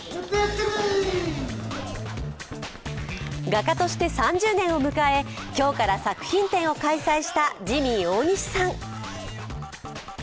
画家として３０年を迎え今日から作品展を開催したジミー大西さん。